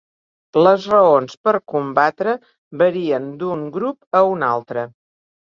Les raons per combatre varien d'un grup a un altre.